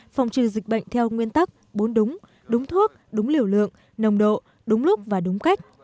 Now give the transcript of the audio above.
phòng trừ dịch bệnh theo nguyên tắc bốn đúng thuốc đúng liều lượng nồng độ đúng lúc và đúng cách